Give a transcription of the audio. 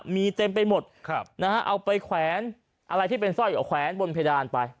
มีเต็มไปหมดเอาไปแขวนอะไรที่เป็นสร้อยเอาแขวนบนเพดานไป